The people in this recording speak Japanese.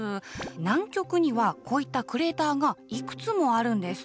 南極にはこういったクレーターがいくつもあるんです。